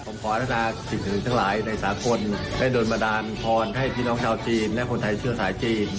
ผมขออนุญาตสิทธิ์ทั้งหลายในสถานกลุ่มได้โดนบันดาลพรให้พี่น้องชาวจีนและคนไทยเชื่อสายจีน